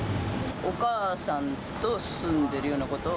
お母さんと住んでるようなことを。